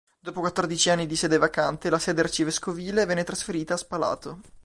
Dopo quattordici anni di sede vacante, la sede arcivescovile venne trasferita a Spalato.